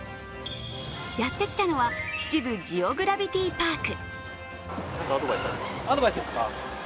やってきたのは秩父ジオグラビティパーク。